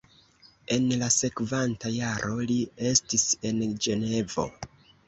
En la sekvanta jaro li estis en Ĝenovo.